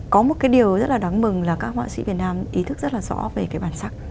có một cái điều rất là đáng mừng là các họa sĩ việt nam ý thức rất là rõ về cái bản sắc